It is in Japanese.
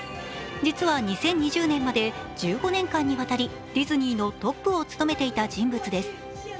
実は２０２０年まで、１５年間にわたりディズニーのトップを務めていた人物です。